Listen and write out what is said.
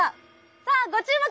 さあご注目！